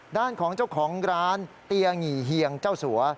ด้านของเจ้าของร้านเตียหงี่เฮียงเจ้าสัว